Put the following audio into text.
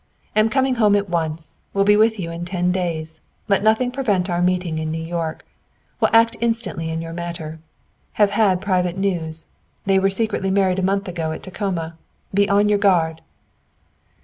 "Am coming home at once. Will be with you in ten days. Let nothing prevent our meeting in New York. Will act instantly in your matter. Have had private news. They were secretly married a month ago at Tacoma. Be on your guard!"